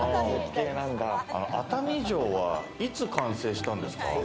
熱海城はいつ完成したんですか？